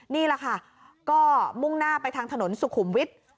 นี่แหละค่ะก็มุ่งหน้าไปทางถนนสุขุมวิทย์